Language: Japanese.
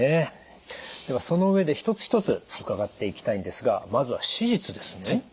ではその上で一つ一つ伺っていきたいんですがまずは手術ですね。